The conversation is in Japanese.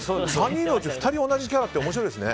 ３人のうち２人が同じキャラって面白いですね。